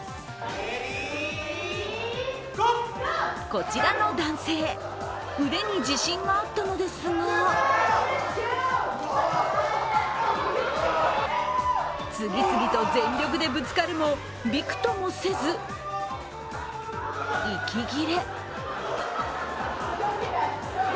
こちらの男性、腕に自信があったのですが次々と全力でぶつかるもびくともせず息切れ。